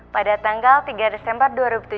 pada tanggal tiga desember dua ribu tujuh belas